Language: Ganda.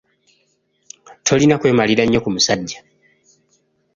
Tolina kwemalira nnyo ku musajja.